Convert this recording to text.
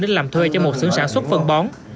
để làm thuê cho một xưởng sản xuất phân bón